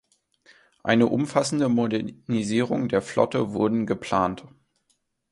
Eine umfassende Modernisierung der Flotte wurden geplant.